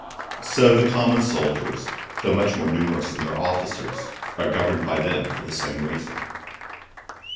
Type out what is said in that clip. So the common soldiers, though so much more numerous than their officers, are governed by them for the same reason.'